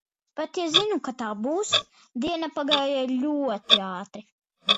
Pat ja zinu, ka tā būs. Diena pagāja ļoti ātri.